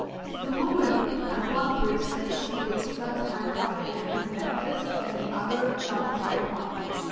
The woman had one bracelet of a policeman's handcuff over her left wrist and the other round his right one.